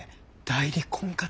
代理婚活！？